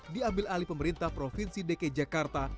diambil alih pemerintah provinsi dki jakarta